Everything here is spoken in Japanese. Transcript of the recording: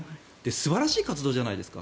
素晴らしい活動じゃないですか。